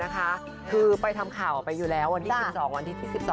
เหลือเผินแต่กัดเขินเพราะยังไร้คู่